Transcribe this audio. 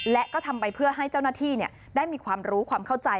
และก็ทำไปเพื่อให้เจ้าหน้าที่ได้มีความรู้ความเข้าใจ